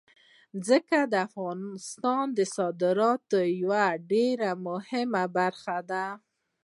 ځمکه د افغانستان د صادراتو یوه ډېره مهمه برخه ده.